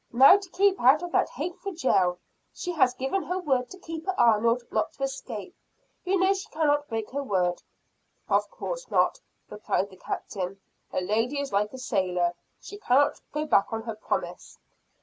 "Now to keep out of that hateful jail, she has given her word to Keeper Arnold not to escape. You know she cannot break her word." "Of course not," replied the Captain; "a lady is like a sailor, she cannot go back on her promise."